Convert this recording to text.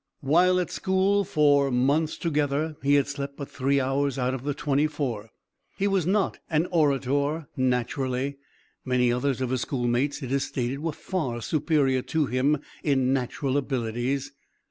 While at school, for MONTHS TOGETHER, he had slept but three hours out of the twenty four. He was not an orator naturally; many others of his schoolmates, it is stated, were far superior to him in natural abilities.